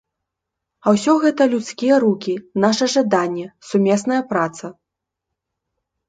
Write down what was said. А ўсё гэта людскія рукі, наша жаданне, сумесная праца.